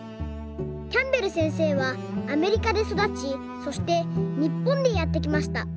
キャンベルせんせいはアメリカでそだちそしてにっぽんにやってきました。